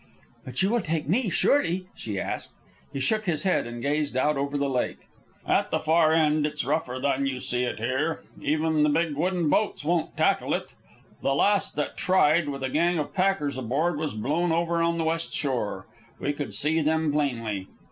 "But you will take me, surely?" she asked. He shook his head and gazed out over the lake. "At the far end it's rougher than you see it here. Even the big wooden boats won't tackle it. The last that tried, with a gang of packers aboard, was blown over on the west shore. We could see them plainly.